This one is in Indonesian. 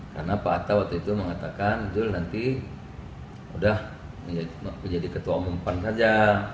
karena pak ata waktu itu mengatakan jules nanti udah menjadi ketua umum pan saja